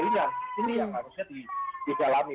ini harusnya didalami